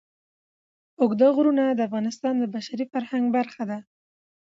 اوږده غرونه د افغانستان د بشري فرهنګ برخه ده.